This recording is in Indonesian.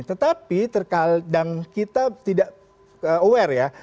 tetapi dan kita tidak aware ya